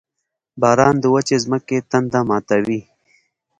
• باران د وچې ځمکې تنده ماتوي.